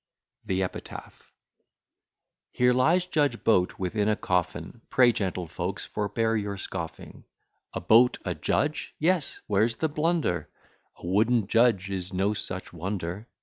THE EPITAPH Here lies Judge Boat within a coffin: Pray, gentlefolks, forbear your scoffing. A Boat a judge! yes; where's the blunder? A wooden judge is no such wonder.